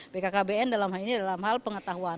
bkkbn dalam hal ini dalam hal pengetahuan